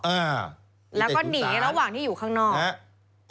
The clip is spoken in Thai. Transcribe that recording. อ่าแล้วก็หนีระหว่างที่อยู่ข้างนอก